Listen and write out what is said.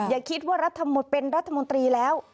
อย่าคิดว่ารัฐมนต์เป็นรัฐมนตรีแล้ว